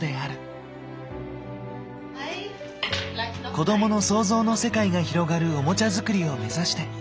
子どもの創造の世界が広がるオモチャ作りを目指して。